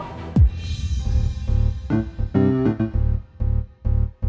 ini udah di sini